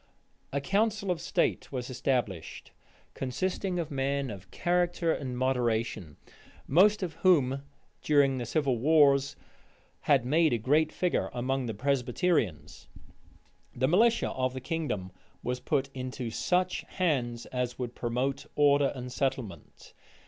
A council of state was established, consisting of men of character and moderation; most of whom, during the civil wars, had made a great figure among the Presbyterians. The militia of the kingdom was put into such hands as would promote order and settlement.